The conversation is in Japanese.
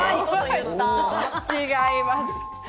違います。